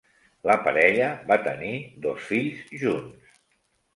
La parella va tenir dos fills junts.